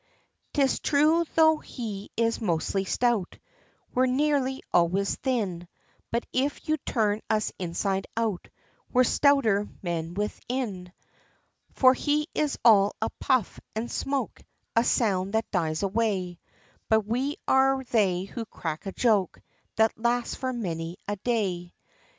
'Tis true, tho' he is mostly stout, We're nearly always thin, But if you turn us inside out, We're stouter men within. For he is all a puff, and smoke, A sound that dies away; But we are they who crack a joke, That lasts for many a day.